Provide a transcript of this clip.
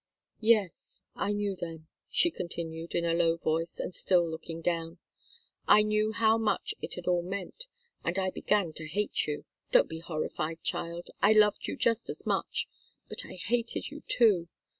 "Yes I knew then," she continued, in a low voice and still looking down. "I knew how much it had all meant. And I began to hate you. Don't be horrified, child. I loved you just as much, but I hated you, too.